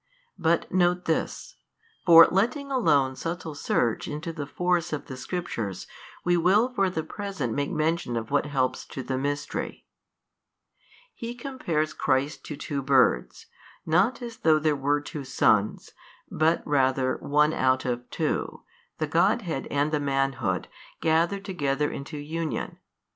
But note this (for letting alone subtil search into the force of the Scriptures, we will for the present make mention of what helps to the mystery): he compares Christ to two birds 37, not as though there were two sons, but rather one out of two, the Godhead and the manhood, gathered together into union.